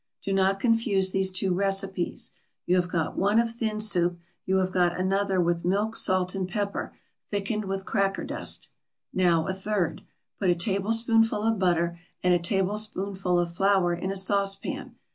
Do not confuse these two recipes. You have got one of thin soup; you have got another with milk, salt and pepper, thickened with cracker dust. Now a third: Put a tablespoonful of butter and a tablespoonful of flour in a saucepan.